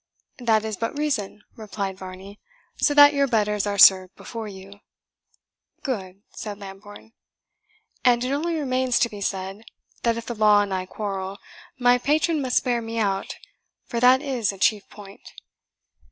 "That is but reason," replied Varney, "so that your betters are served before you." "Good," said Lambourne; "and it only remains to be said, that if the law and I quarrel, my patron must bear me out, for that is a chief point."